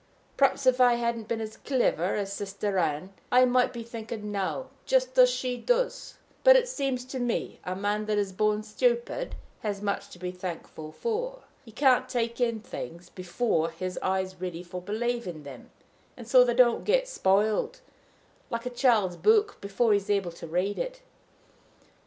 Perhaps, if I had been as clever as Sister Ann, I might be thinking now just as she does; but it seems to me a man that is born stupid has much to be thankful for: he can't take in things before his heart's ready for believing them, and so they don't get spoiled, like a child's book before he is able to read it.